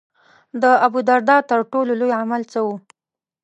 د ابوالدرداء تر ټولو لوی عمل څه و.